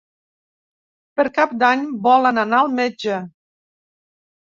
Per Cap d'Any volen anar al metge.